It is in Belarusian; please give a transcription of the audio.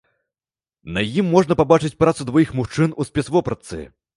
На ім можна пабачыць працу дваіх мужчын у спецвопратцы.